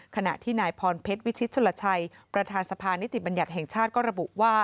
ขณะที่นายพรเพชรวิชิตชลชัยประธานสภานิติบัญญัติแห่งชาติก็ระบุว่า